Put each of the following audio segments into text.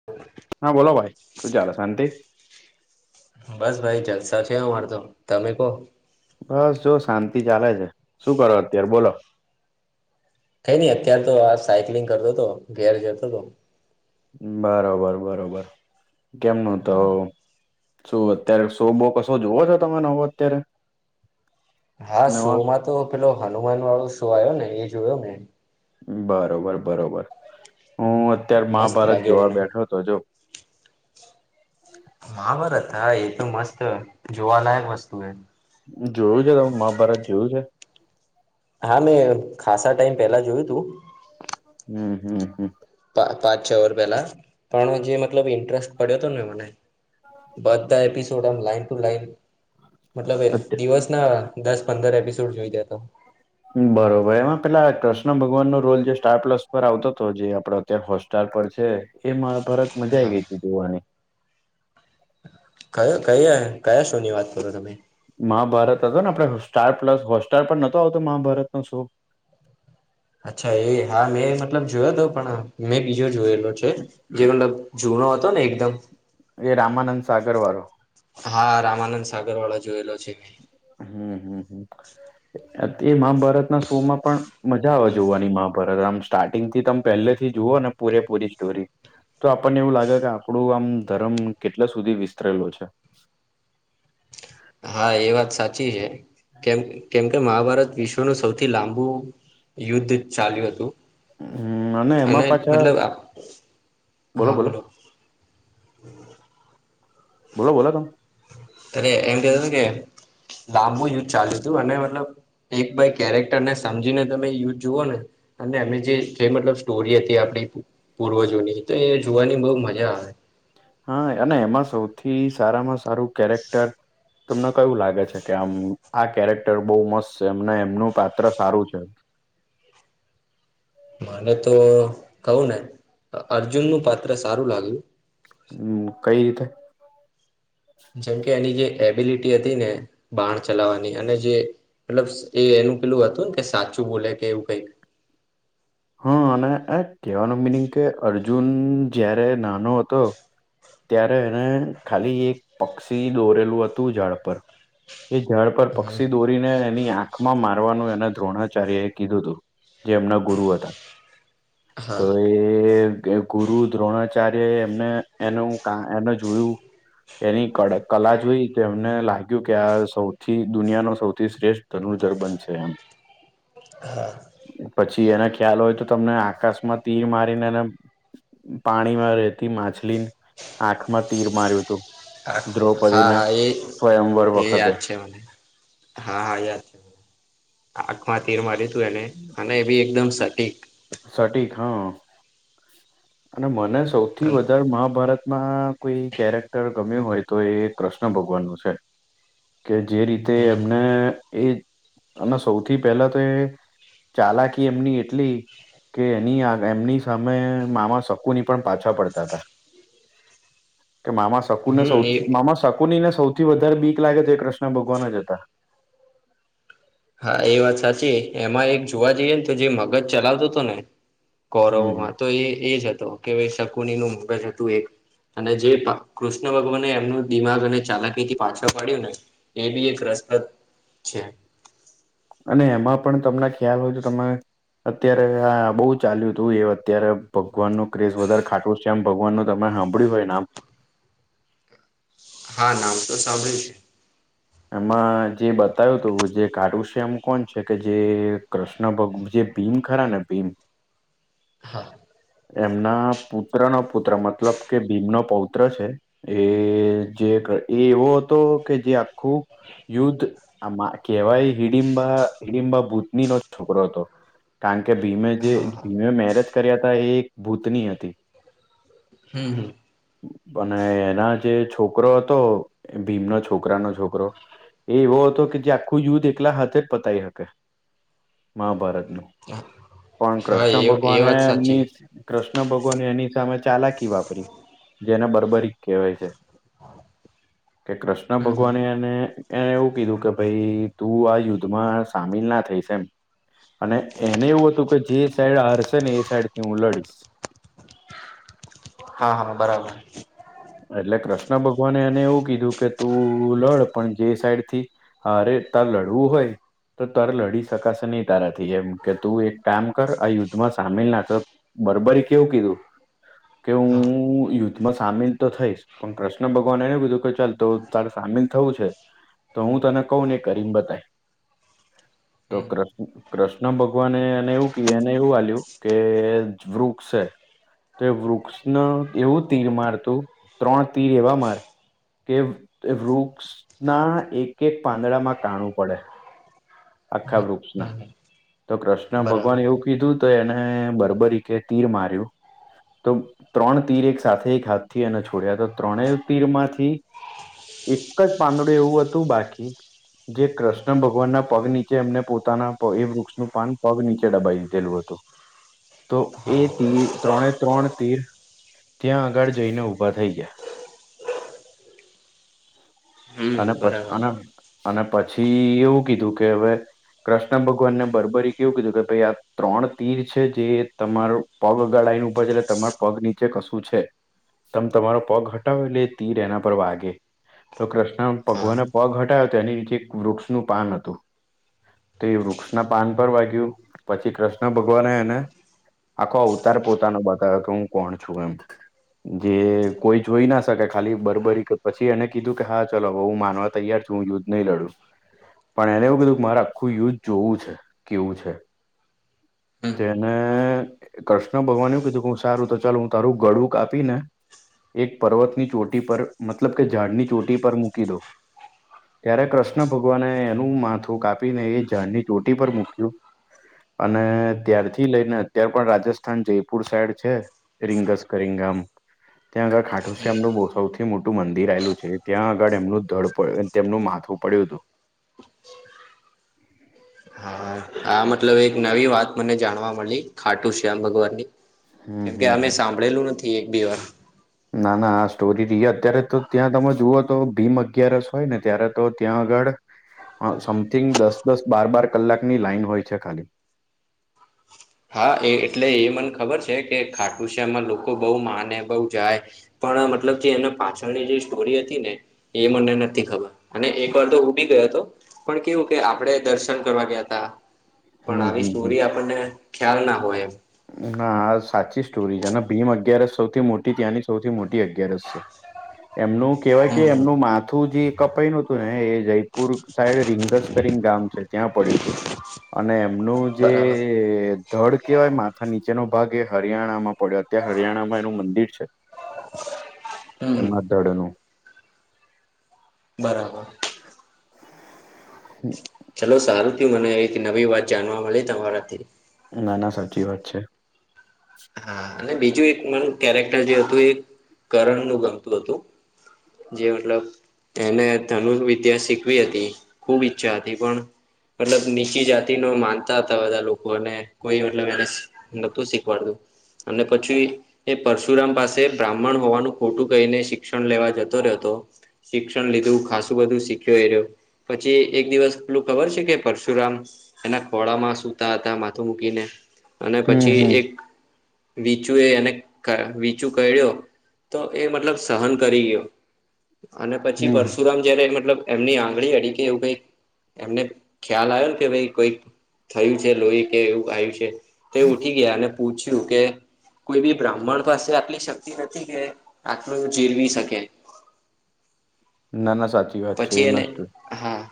[inaudible] હા બોલો ભાઈ શું ચાલે શાંતિ બસ ભાઈ જલસા છે અમારે તો તમે કહો બસ જો શાંતિ ચાલે છે શું કરો અત્યારે બોલો કઈ ની અત્યાર તો આ સાયકલિંગ કરતો હતો ઘેર જતો હતો બરોબર બરોબર કેમનું તો શું અત્યારે શો બો કશો જોવો છો તમે નવો અત્યારે હા શો નવા માં તો પેલો હનુમાન વાળો આયો ને એ જોયો મે બરોબર બરોબર હું અત્ય્યારે મસ્ત મહાભારત લાગ્યો જોવા મને બેઠો હતો જો મહભારત હા એ તો મસ્ત જોવાલાયક વસ્તુ હે જોયું છે તમે મહાભારત જોયું છે હા મેં ખાસા ટાઈમ પેલા જોયું તું હમ હમ હમ પા પાંચ છ વર પેલા પણ જે મતલબ ઇન્ટરેસ્ટ પડ્યો તો મને બધા એપિસોડ આમ લાઇન ટુ લાઇન મતલબ એ અત્ય- દિવસના દસ પંદર એપિસોડ જોઈ જાતો બરોબર એમાં પેલા કૃષ્ણ ભગવાનનો રોલ જે સ્ટાર પ્લસ પર આવતો હતો જે આપડો અત્યારે હોસ્ટાર પર છે એ મહાભારત મજા આઈ હા ગઈ હતી જોવાની. કયો કયા કયા શોની વાત કરો તમે મહાભારત હતો ને આપડ સ્ટાર પ્લસ હોટસ્ટાર પણ નતો આવતો મહાભારતનો શો? અચ્છા એ હા મેં મતલબ જોયોતો પણ મેં બીજો જોયેલો છે. જે મતલબ જૂનો હતો ને એકદમ એ રામાનંદ સાગર વારો હા રામાનંદ સાગર વાળા જોયેલો છે, મે હમ હમ હમ. [inaudible] તે મહાભારતના શો માં પણ મજા આવે જોવાની મહાભારત આમ સ્ટાર્ટિંગથી તમ પહેલેથી જોઓ ને પૂરે પૂરી સ્ટોરી તો આપણને એવું લાગ કે આપણું આમ ધર્મ કેટલે સુધી વિસ્તરેલો છે. હા એ વાત સાચી છે, કેમ કેમ મહાભારત વિશ્વનું સૌથી લાંબુ યુદ્ધ ચાલ્યું હતું. હમ એમાં અને પાછા મતલબ આ હા બોલો [inaudible] બોલો બોલો તમ તને એમ કેતો તો કે લાંબુ યુદ્ધ ચાલ્યું તું અને મતલબ એક બાય કેરેક્ટર ને સમજીને તમે યુ જુઓ ને અને અમે જે જે મતલબ સ્ટોરી હતી આપણી પૂર્વજોની તો એ જોવાની બો મજા આવે હા અને એમાં સૌથી સારામાં સારું કેરેક્ટર તમન કયું લાગે છે, કે આમ આ કેરેક્ટર બો મસ્ત છે, એમને એમનું પાત્ર સારું છે. મને તો કહું ને અર્જુનનું પાત્ર સારું લાગ્યું. હમ કઈ રીતે? જેમકે એની જે એબિલિટી હતી ને બાણ ચલાવવાની અને જે મતલબ એ એનું પેલું હતું ને કે સાચું બોલે કે એવું કઈક હ અને [unintelligible] કેવાનો મિનિંગ કે અર્જુન જયારે નાનો હતો. ત્યારે એને ખાલી એક પક્ષી દોરેલું હતું ઝાડ પર એ ઝાડ પર હમ પક્ષી દોરીને એની આંખમાં મારવાનું એને દ્રોણાચાર્ય એ કીધું તું જે એમના ગુરુ હતા તો હા એ કે ગુરુ દ્રોણાચાર્ય એ એમને એનું [unintelligible] જોયું. એની કળા કલા જોઈ તો એમને લાગ્યું કે આ સૌથી દુનિયા નો સૌથી શ્રેષ ધનુર્ધર બનશે એમ પછ એને ખ્યાલ હોય તો તમને આકાશમાં તીર મારીને એને પાણીમાં રે તી માછલીન આંખમાં તીર માર્યું તું હા હા એ સ્વયંવર એ વખતે યાદ છે, મને હા હા યાદ [unintelligible] આંખમાં તીર માર્યું તું એને અને એ બી એકદમ સટીક સટીક હ અને મને સૌથી હમ વધારે મહાભારતમાં કોઈ કેરેક્ટર ગમ્યું હોય તો એ કૃષ્ણ ભગવાનનું છે. કે જે રીતે એમને એ અને સૌથી પહેલા તો એ ચાલાકી એમની એટલી કે એની આ એમની સામે મામા શકુની પણ પાછા પડતા હતા. કે મામા શકુને સૌ હમ એ મામા શકુનીને સૌથી વધારે બીક લાગે તો એ કૃષ્ણ ભગવાન જ હતા. હા એ વાત સાચી એમાં એક જોવા જઈએ ને તો જે મગજ ચલાવતો તો ને હમ કૌરવમાં તો એ એ જ હતો. કે ભાઈ શકુનીનું મગજ હતું એક અને જે પા કૃષ્ણ ભગવાને એમનું દિમાગ અને ચાલાકીથી પાછો પાડ્યું ને એ બી એક રસપ્રદ છે. અને એમાં પણ તમને ખ્યાલ હોય તો તમે અત્યારે આ બોઉ ચાલ્યું હતું એ અત્યારે ભગવાનનો ક્રેઝ વધારે ખાટુ શયામ ભગવાનનું તમે હાભળ્યું હોય નામ હા નામ તો સાંભળ્યું છે. એમાં જે બતાવ્યું હતું જે ખાટુ શ્યામ કોણ છે. કે જે કૃ [unintelligible] ભગ જે ભીમ ખરા ને ભીમ હા. એમના પુત્રનો પુત્ર મતલબ કે ભીમનો પૌત્ર છે. એ જે કે એ એવો હતો કે જે આ ખું યુદ્ધ આમાં કેવાય હિડીબા હિડીબા ભૂતનીનો છોકરો હતો. કારણ કે ભીમે જે હા હા ભીમે મેરેજ કર્યા હતા એ એક ભૂતની હતી. હમ હમ. અને એના જે છોકરો હતો. ભીમના છોકરાનો છોકરો એ એવો હતો કે જે આખું યુદ્ધ એકલા હાથે જ પતાવી હકે મહાભારત પણ હા એ કૃષ્ણ એ ભગવાને વાત એમની સાચી કૃષ્ણ ભગવાન એની સામે ચાલાકી વાપરી જેને બર્બરી કેવાય છે, કે કૃષ્ણ હમ ભગવાને હમ એને એને એવું કીધું કે ભાઈ તું આ યુદ્ધમાં સામેલ ના થઈશ એમ અને એને એવું હતું કે જે સાઈડ હારશે ને એ સાઈડથી હું લડીશ. હા હા બરાબર. એટલે કૃષ્ણ ભગવાને એને એવું કીધું કે તું લડ પણ જે સાઈડથી અરે તારે લડવું હોય. તો તારે લડી શકાશે નહીં તારાથી એમ કે તું એક કામ કર આ યુદ્ધમાં સામેલ નાત બર્બરીકે કેવુ કીધું કે હું હા હું યુદ્ધમાં સામેલ તો થઈશ પણ કૃષ્ણ ભગવાને એને કીધું કે ચાલ તો તારે સામેલ થવું છે. તો હું તને કવ ને એ કરીને બતાય [inaudible] તો કૃષ્ણ કૃષ્ણ ભગવાને એને એવું કે એને એવું હાલ્યું કે વૃક્ષ છે. તો એ વૃક્ષને એવું તીર મારતું ત્રણ તીર એવા માર કે વૃક્ષના એક એક પાંદડામાં કાણું પડે આખા વૃક્ષના હમ હમ તો કૃષ્ણ બરાબર ભગવાન એવું કીધું તો એને બરબરી કે તીર માર્યું તો ત્રણ તીર એક સાથે એક હાથથી અને છોડ્યા હતા ત્રણેય તીરમાંથી એક જ પાંદડું એવું હતું બાકી જે કૃષ્ણ ભગવાનના પગ નીચે એમને પોતાના એ વૃક્ષનું પાન પગ નીચે દબાવી દીધેલું હતું. તો હા એ તી ત્રણે ત્રણ તીર ત્યાં આગળ જઈને ઊભા થઈ ગયા. [inaudible] હમ અને પછ બરાબર અને અને પછી એવું કીધું કે અવે કૃષ્ણ ભગવાને બરબરી કે એવું કીધું કે ભાઈ આ ત્રણ તીર જે તમારું પગ અગાડ [unintelligible] ઉભા છે, એટલે તમારે પગ નીચે કશું છે. તમે તમારો પગ હટાવો એટલે તીર એના પર વાગે. તો કૃષ્ણ હા ભગવાને પગ હટાવ્યો તો એની નીચે એક વૃક્ષનું પાન હતું. તે વૃક્ષના પાન પર વાગ્યું પછી કૃષ્ણ ભગવાને એને આખો અવતાર પોતાનો બતાવ્યો કે હું કોણ છું એમ જે કોઈ જોઈ ના શકે ખાલી બરબરી પછી એને કીધું કે હા ચાલ હું માનવા તૈયાર તુ યુદ્ધ નહીં લડું પણ એને બધું મારે આખું યુદ્ધ જોવું છે, કેવું છે, હમ તેને કૃષ્ણ ભગવાને એવું કીધું કે હું સારું તો ચાલ હું તારું ગળું કાપી ને એક પર્વતની ચોટી પર મતલબ કે ઝાડની ચોટી પર મૂકી દો ત્યારે કૃષ્ણ ભગવાને એનું માથું કાપીને એ ઝાડની ચોટી પર મૂક્યું. અને ત્યારથી લઈ ને અત્યાર પણ રાજસ્થાન જયપુર સાઈડ છે. રિંગસ કરિંગામ ત્યાં આગળ ખા [unintelligible] સૌથી મોટું મંદિર આલું છે ત્યાં આગળ એમનું ધળ પ તેમનું માથું પડ્યુંતું. હા આ મતલબ એક નવી વાત મને જાણવા મલી ખાટું શ્યામ ભગવાનની હમ કેમકે હમ હમ અમે સાંભળેલું નથી એક બી વાર ના ના આ સ્ટોરી [unintelligible] અત્યારે તો ત્યાં તમે જુઓ તો ભીમ અગિયારસ હોય ને ત્યારે તો ત્યાં આગળ સમથિંગ દસ દસ બાર બાર કલાકની લાઈન હોય છે, ખાલી હા એ એટલે મને ખબર છે, કે ખાટું શ્યામમાં લોકો બોવ માને બોવ જાય પણ મતલબ જે એના પાછળની જે સ્ટોરી હતી ને એ મને નથી ખબર અને એક વાર તો [unintelligible] ગયો તો પણ કેવું કે આપણેે દર્શન કરવા ગયા હતા પણ હમ આવી હમ સ્ટોરી આપણને ખ્યાલ ના હોય એમ ના આ સાચી સ્ટોરી છે. ને ભીમ અગિયારસ સૌથી મોટી ત્યાંની સૌથી મોટી અગિયારસ છે. [inaudible] એમનું કેવાય કે હમ એમનું મા થું જે કપાઈલુ હતું ને એ જયપુર સાઈડ રિંગસ કરીને ગામ છે, ત્યાં પડ્યુંતું અને એમનું જે બરાબર ધડ કહેવાય માથા નીચેનો ભાગ એ ભાગ હરિયાણામાં પડ્યો અત્યારે હરિયાણામાં એનું મંદિર છે. હમ એમના ધડનું બરાબર. હમ. હલો સારું થયું મને એક નવી વાત જાણવા મળી તમારાથી ના ના સાચી વાત છે. હા અને બીજું એક મારું કેરેક્ટર જે હતું. એ કરણનું ગમતું હતું. જે મતલબ એને ધનુર વિદ્યા શીખવી હતી ખુબ ઈચ્છા હતી પણ મતલબ નીચી જાતિનુ માનતા હતા. બધા લોકોને કોઈ મતલબ એને નતું શીખવાડતું. અને પછી એ પરશુરામ પાસે બ્રાહ્મણ હોવાનું ખોટું કહીને શિક્ષણ લેવા જતો રહેતો. શિક્ષણ લીધું ખાસું બધું શીખ્યો એરયો પછી એક દિવસ પેલું ખબર છે, કે પરશુરામ એના ખોળામાં સુતા હતા માથું મૂકીને અને હમ પછી હમ એક વિચુ એ એને કા વિચુ કરડ્યો. તો એ મતલબ સહન કરી ગયો અને પછી હમ પરશુરામ જ્યારે મતલબ એમની આંગળી અડી કે એવું કાંઈક એમને ખ્યાલ આવ્યોને કે ભાય કોઈક થયું છે, લોહી કે એવું આવ્યું છે, તો એ ઉઠી ગયા. અને પૂછ યુ કે કોઈ બી બ્રાહ્મણ પાસે આટલી શક્તિ નથી કે આટલું એ જીરવી શકે ના ના સા પછી એને હા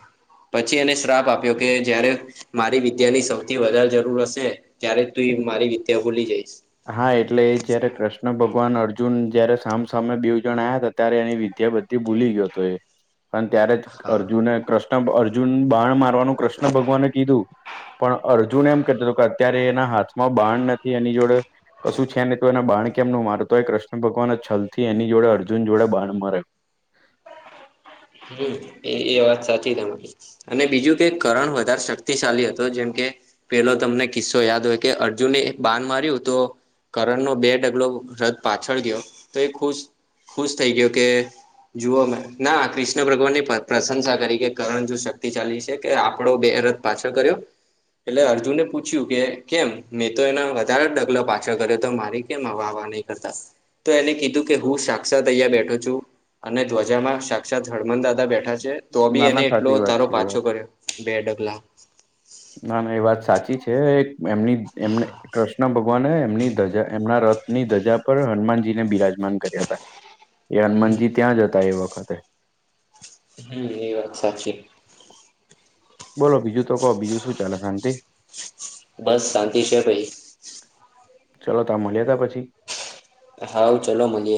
પછી એને શ્રાપ આપ્યો કે જ્યારે મારી વિદ્યાની સૌથી વધારે જરૂર હશે ત્યારે જ તું મારી વિદ્યા ભૂલી જઈશ. હા એટલે એ જયારે કૃષ્ણ ભગવાન અર્જુન જયારે સામસામે બેઉ જણ આયા હતા. ત્યારે એની વિદ્યા બધી તે ભૂલી ગયો તો એ અને ત્યારે જ હા અર્જુને કૃષ્ણ [unintelligible] અર્જુન બાણ મારવાનું કૃષ્ણ ભગવાને કીધું પણ અર્જુન એમ કેતો તો કે અત્યારે એના હાથમાં બાણ નથી એની જોડે કશું છે નઈ તો એને બાણ કેમ નુ માર્યું તો હોય કૃષ્ણ ભગવાને છલ થી એની જોડે અર્જુન જોડે બાણ મરાયુ. હમ એ એ વાત સાચી તમારી. અને બીજું કે કરણ વધારે શક્તિશાલી હતો જેમ કે પેલો તમને કિસ્સો યાદ હોય કે અર્જુને એક બાન માર્યું તો કરણનો બે ડગલો રથ પાછળ ગયો તો એ ખુશ ખુશ થઈ ગયો કે જુઓ મે ના ક્રષ્ણ કૃષ્ણ ભગવાન ની પ્રશંસા કરી કે કરણ જો શક્તિ શાલી છે કે આપણો બેરથ પાછો કર્યો. એટલે અર્જુને પૂછ્યું કે કેમ મેં તો એના વધારે જ ડગલો પાછળ કર્યો તો મારી કેમ વાહવા નહી? તો એને કીધું કે હું સાક્ષાત અહીંયાં બેઠો છું અને ધ્વજામાં સાક્ષાત હનુમાન દાદા બેઠા છે તો બી ના એને ના એટલો સાચી વાત [unintelligible] છે એ વાત પાછો કર્યો બે ડગલા ના ના એ વાત સાચી છે એમની એમને કૃષ્ણ ભગવાને એમની ધજા એમના રથની ધજા પર હનુમાનજીને બિરાજમાન કર્યા હતા. એ હનુમાનજી ત્યાં જ હતા એ વખતે. હમ એ વાત સાચી. બોલો બીજું તો કો બીજું શું ચાલે શાંતિ? બસ શાંતિ છે ભઈ. ચાલો તાર મળ્યા તાર પછી. હાઉ ચાલો મલીએ.